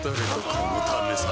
このためさ